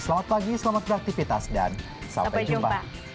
selamat pagi selamat beraktivitas dan sampai jumpa